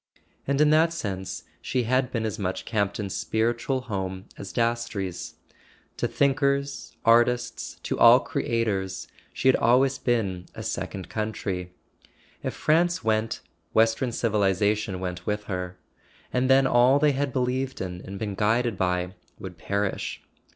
And in that sense she had been as much Camp ton's spiritual home as Dastrey's; to thinkers, artists, to all creators, she had always been a second country. If France went, western civilization went with her; and then all they had believed in and been guided by would perish.